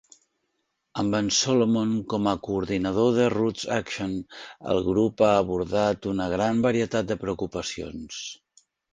Amb en Solomon com a coordinador de RootsAction, el grup ha abordat una gran varietat de preocupacions.